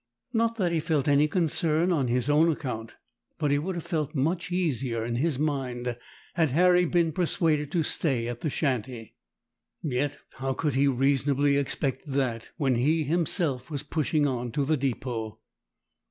Not that he felt any concern on his own account; but he would have felt much easier in his mind had Harry been persuaded to stay at the shanty. Yet how could he reasonably expect that, when he himself was pushing on to the depot?